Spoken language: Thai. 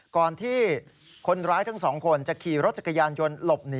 ก่อนที่คนร้ายทั้งสองคน